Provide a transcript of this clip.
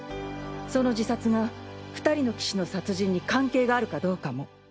その自殺が２人の棋士の殺人に関係があるかどうかも。